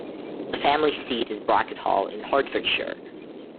The family seat is Brocket Hall in Hertfordshire.